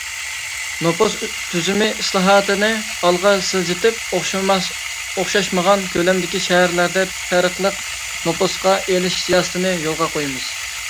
نوپۇس تۈزۈمى ئىسلاھاتىنى ئالغا سىلجىتىپ، ئوخشاشمىغان كۆلەمدىكى شەھەرلەردە پەرقلىق نوپۇسقا ئېلىش سىياسىتىنى يولغا قويىمىز.